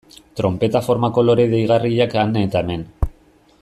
Tronpeta formako lore deigarriak han eta hemen.